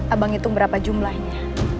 abang itu berapa jumlahnya